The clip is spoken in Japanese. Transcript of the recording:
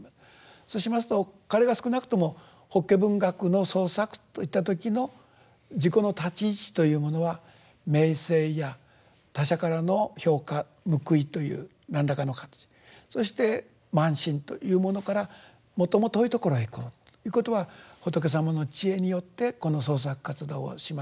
そうしますと彼が少なくとも「法華文学ノ創作」といった時の自己の立ち位置というものは名声や他者からの評価報いという何らかの形そして慢心というものから最も遠いところへ行こうということは仏様の知恵によってこの創作活動をしましょうと。